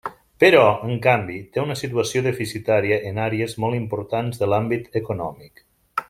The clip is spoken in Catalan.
Però, en canvi, té una situació deficitària en àrees molt importants de l'àmbit econòmic.